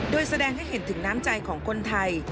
โดยแสดงให้เห็นถึงน้ำใจของคนไทย